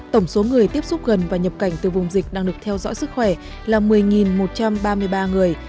tổng số người tiếp xúc gần và nhập cảnh từ vùng dịch đang được theo dõi sức khỏe là một mươi một trăm ba mươi ba người